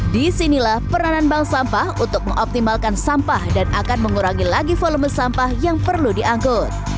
disinilah peranan bank sampah untuk mengoptimalkan sampah dan akan mengurangi lagi volume sampah yang perlu diangkut